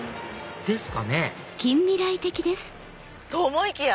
ですかね？と思いきや！